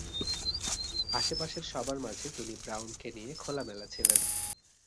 আশেপাশের সবার মাঝে তিনি ব্রাউনকে নিয়ে খোলামেলা ছিলেন।